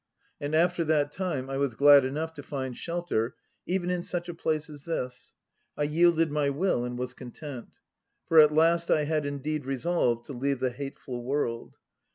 1 And after that time I was glad enough to find shelter even in such a place as this. I yielded my will and was content. For at last I had indeed resolved to leave the hateful World.